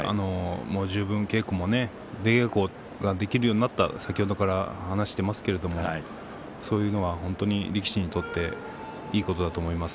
十分、稽古も出稽古ができるようになったと先ほどから話をしていますけれどもそういうのは本当に力士にとっていいことだと思います。